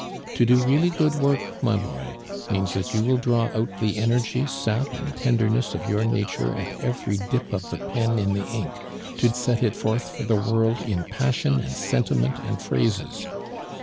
To do really good work, my boy, means that you will draw out the energy, sap, and tenderness of your nature at every dip of the pen in the ink, to set it forth for the world in passion and sentiment and phrases.